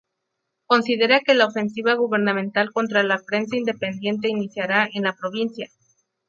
Considera que la ofensiva gubernamental contra la prensa independiente iniciará en la provincia.